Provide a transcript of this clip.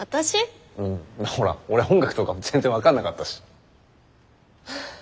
ほら俺音楽とか全然分かんなかったし。